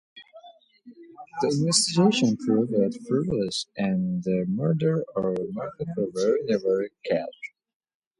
The investigation proved fruitless and the murderer or murderers were never caught.